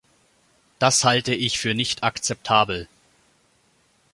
Das halte ich für nicht akzeptabel.